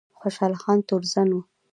خوشحال خان تورزن و